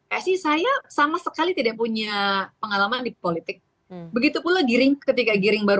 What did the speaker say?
saya sih saya sama sekali tidak punya pengalaman di politik begitu pula giring ketika giring baru